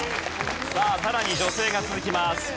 さあさらに女性が続きます。